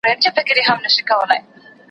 زه پرون د سبا لپاره د ليکلو تمرين کوم